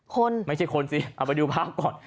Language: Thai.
คนไม่ใช่คนสิเอาไปดูภาพก่อน